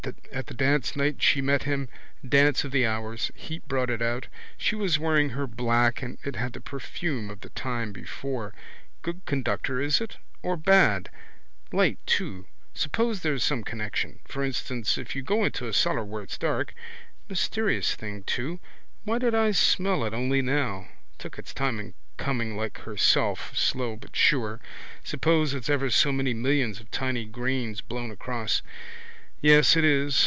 At the dance night she met him, dance of the hours. Heat brought it out. She was wearing her black and it had the perfume of the time before. Good conductor, is it? Or bad? Light too. Suppose there's some connection. For instance if you go into a cellar where it's dark. Mysterious thing too. Why did I smell it only now? Took its time in coming like herself, slow but sure. Suppose it's ever so many millions of tiny grains blown across. Yes, it is.